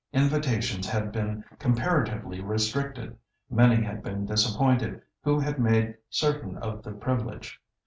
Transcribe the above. Invitations had been comparatively restricted; many had been disappointed who had made certain of the privilege.